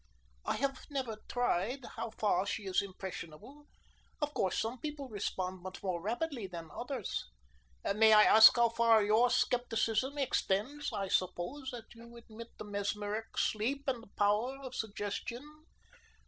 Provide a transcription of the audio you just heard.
"I have never tried how far she is impressionable. Of course some people respond much more rapidly than others. May I ask how far your scepticism extends? I suppose that you admit the mesmeric sleep and the power of suggestion."